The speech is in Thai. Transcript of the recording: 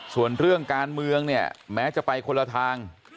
ส่วนเรื่องการเมืองเนี่ยแม้จะไปคนละทาง